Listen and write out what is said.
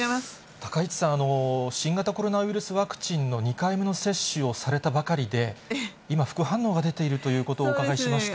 高市さん、新型コロナウイルスワクチンの２回目の接種をされたばかりで、今、副反応が出ているということをお伺いしました。